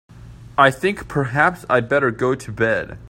I think perhaps I'd better go to bed.